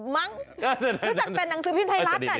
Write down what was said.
มั้งรู้จักเป็นหนังสือพิมพ์ไทยรัฐน่ะดิฉันน่ะ